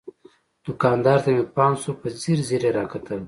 دوکاندار ته مې پام شو، په ځیر ځیر یې را کتل.